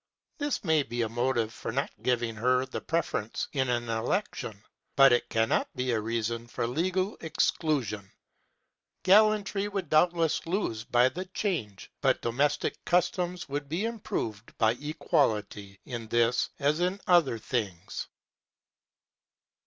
This may be a motive for not giving her the preference in an election, but it cannot be a reason for legal exclusion. Gallantry would doubtless lose by the change, but domestic customs would be improved by equality in this as in other things.